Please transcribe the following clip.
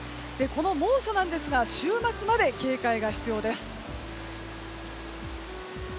この猛暑なんですが週末まで警戒が必要です。